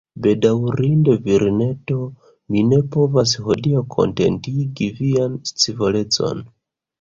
Bedaŭrinde, virineto, mi ne povas, hodiaŭ, kontentigi vian scivolecon.